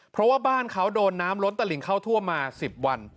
เพราะว่าบ้านเขาโดนน้ำล้นตะหลิงเข้าท่วมมา๑๐วัน